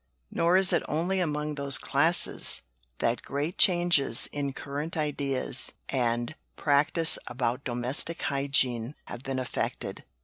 Nor is it only among those classes that great changes in current ideas and practice about domestic hygiene have been effected.